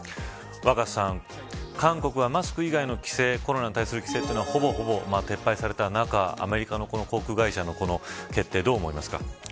若狭さん、韓国はマスク以外の規制、コロナに対する規制はほぼほぼ撤廃された中アメリカの航空会社の決定をどう思いますか。